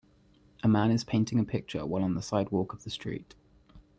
A man is painting a picture while on the sidewalk of the street.